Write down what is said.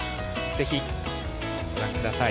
ぜひ、ご覧ください。